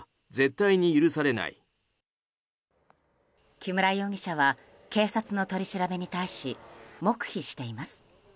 木村容疑者は警察の取り調べに対し黙秘しています。